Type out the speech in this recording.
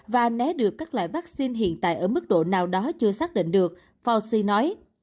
và né được các loại vắc xin hiện tại ở mức độ nào đó chưa xác định được fauci nói